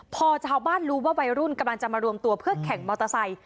พอชาวบ้านรู้ว่าวัยรุ่นกำลังจะมารวมตัวเพื่อแข่งมอเตอร์ไซค์